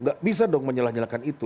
tidak bisa dong menyalah nyalakan itu